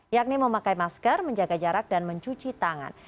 yakni memakai masker menjaga jarak dan mencuci tangan